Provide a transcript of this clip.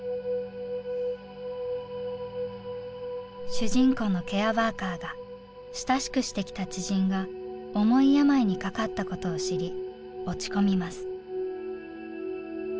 主人公のケアワーカーが親しくしてきた知人が重い病にかかったことを知り落ち込みます。